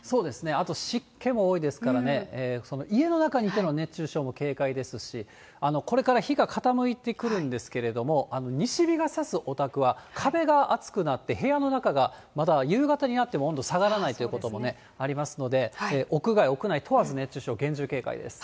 あと、湿気も多いですからね、家の中にいての熱中症も警戒ですし、これから日が傾いてくるんですけれども、西日がさすお宅は、壁が暑くなって、部屋の中がまだ夕方になっても気温が下がらないということがありますので、屋外、屋内問わず、熱中症、厳重警戒です。